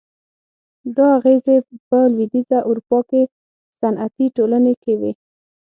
دا اغېزې په لوېدیځه اروپا کې صنعتي ټولنې کې وې.